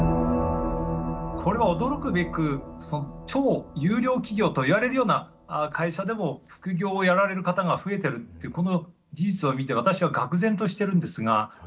これは驚くべく超優良企業といわれるような会社でも副業をやられる方が増えてるっていうこの事実を見て私はがく然としてるんですが。